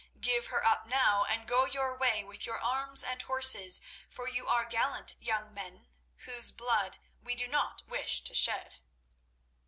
Give her up now, and go your way with your arms and horses, for you are gallant young men, whose blood we do not wish to shed."